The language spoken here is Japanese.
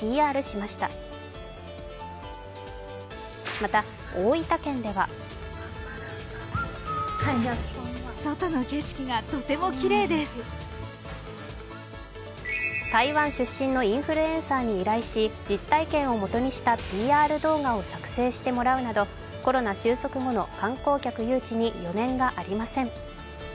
また、大分県では台湾出身のインフルエンサーに依頼し実体験をもとにしたＰＲ動画を作成してもらうなどコロナ収束後の観光客誘致に余念がありません。